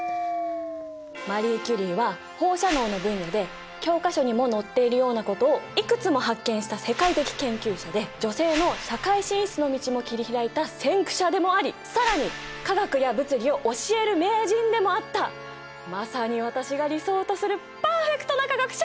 マリー・キュリーは放射能の分野で教科書にも載っているようなことをいくつも発見した世界的研究者で女性の社会進出の道も切り開いた先駆者でもあり更にまさに私が理想とするパーフェクトな科学者！